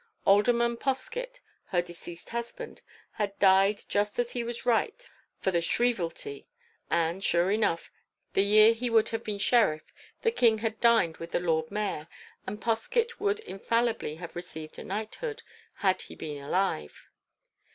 Alderman Poskett, her deceased husband, had died just as he was ripe for the Shrievalty, and, sure enough, the year he would have been Sheriff the King had dined with the Lord Mayor, and Poskett would infallibly have received a knighthood, had he been alive.